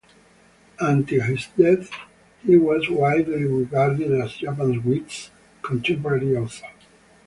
Until his death, he was widely regarded as Japan's greatest contemporary author.